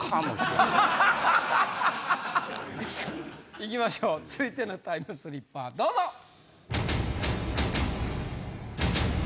いきましょう続いてのタイムスリッパーどうぞ！え！